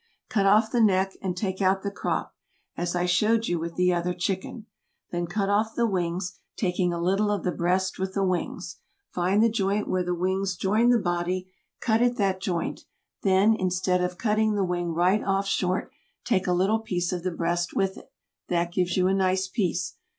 Cut off the neck and take out the crop, as I showed you with the other chicken. Then cut off the wings, taking a little of the breast with the wings. Find the joint where the wings join the body, cut at that joint; then, instead of cutting the wing right off short, take a little piece of the breast with it. That gives you a nice piece.